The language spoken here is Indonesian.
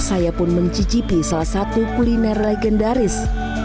saya pun mencicipi salah satu kuliner legendaris